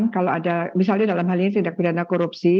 kalau ada misalnya dalam hal ini tindak pidana korupsi